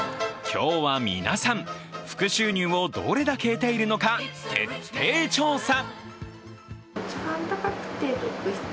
今日は皆さん、副収入をどれだけ得ているのか徹底調査！